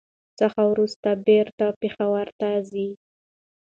څخه ورورسته بېرته پېښور ته ځي.